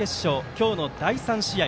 今日の第３試合。